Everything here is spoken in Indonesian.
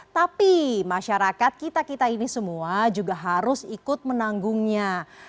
tapi masyarakat kita kita ini semua juga harus ikut menanggungnya